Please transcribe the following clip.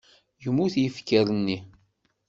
Yemmut yifker-nni.